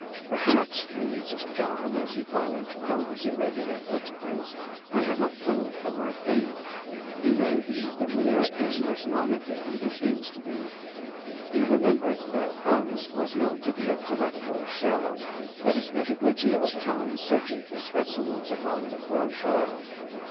"Perhaps," mused John, as he followed "Crumbs's" irregular footprints, "I am a fool for my pains! He may be the mere aimless nonentity he seems to be." He remembered that "Crumbs" was known to be a collector of shells, that he spent a good deal of time searching for specimens upon the foreshore.